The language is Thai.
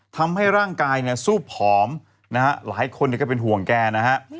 ทำให้ร่างกายเนี่ยสู้ผอมนะฮะหลายคนก็เป็นห่วงแกนะฮะ